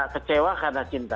kecewa karena cinta